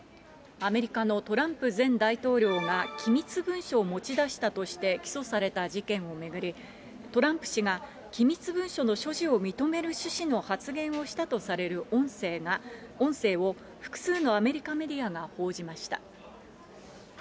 アメリカのトランプ前大統領が機密文書を持ち出したとして起訴された事件を巡り、トランプ氏が機密文書の所持を認める趣旨の発言をしたとされる音声を、複数のアメリカメディアが報じました。